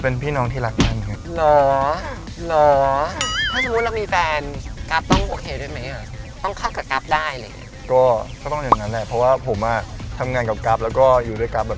เป็นเรื่องของอนาคตแล้วกันครับ